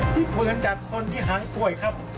ที่เวลาจัดคนที่หางป่วยครับ